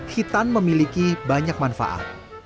hitam memiliki banyak manfaat